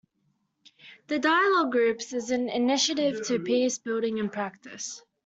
The Dialogue Groups is an initiative to peace building in practice.